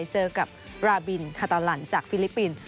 เจอกับราบินคาตาลันจากฟิลิปปินส์